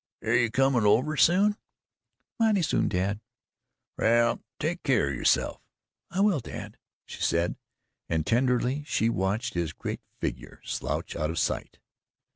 "Air ye comin' over soon?" "Mighty soon, dad." "Well, take keer o' yourself." "I will, dad," she said, and tenderly she watched his great figure slouch out of sight.